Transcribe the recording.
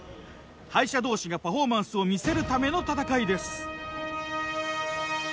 敗者同士がパフォーマンスを見せるための戦いです。